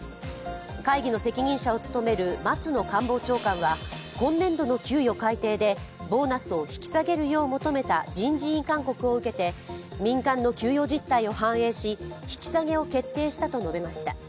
会議の責任者を務める松野官房長官は今年度の給与改定でボーナスを引き下げるよう求めた人事院勧告を受けて民間の給与実態を反映し、引き下げを決定したと述べました。